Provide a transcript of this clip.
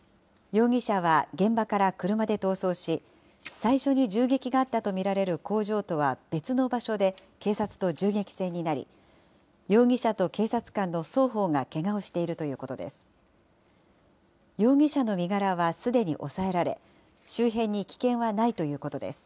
容疑者は現場から車で逃走し、最初に銃撃があったと見られる工場とは別の場所で警察と銃撃戦になり、容疑者と警察官の双方がけがをしているということです。